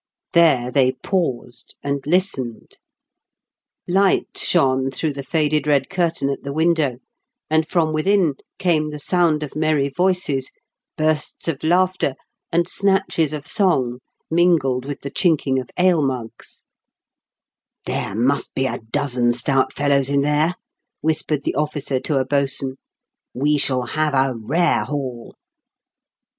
There they paused, and listened. Light shone through the faded red curtain at the window, and from within came the sound of merry voices, bursts of laughter and snatches of song, mingled with the chink ing of ale mugs. THE KINO'S PRE 8 8. 276 " There must be a dozen stout fellows in there," whispered the officer to a boatswain ; "we shall have a rare haul."